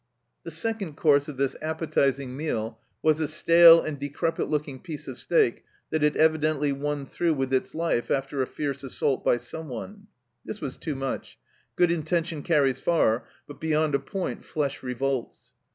The second course of this appetizing meal was a stale and decrepit looking piece of steak that had evidently won through with its life after a fierce assault by someone. This was too much ; good intention carries far, but beyond a point flesh revolts.